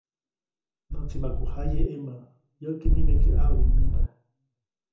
Näʼtsi maku jaye ʼemä, yäʼki nimeke ʼaʼwiŋnämba.